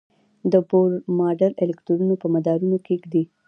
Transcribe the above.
د بور ماډل الکترونونه په مدارونو کې ږدي.